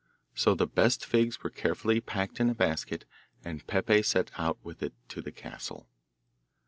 So the best figs were carefully packed in a basket, and Peppe set out with it to the castle.